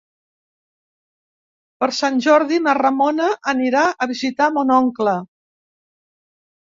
Per Sant Jordi na Ramona anirà a visitar mon oncle.